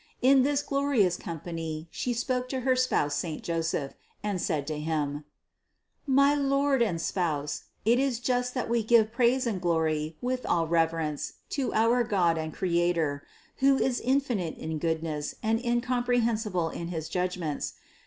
In this glorious com pany She spoke to her spouse saint Joseph, and said to him: "My lord and spouse, it is just that we give praise and glory with all reverence to our God and Cre ator, who is infinite in goodness and incomprehensible in his judgments.